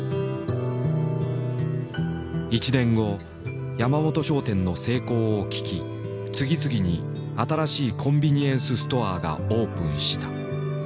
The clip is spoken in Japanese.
１年後山本商店の成功を聞き次々に新しいコンビニエンスストアがオープンした。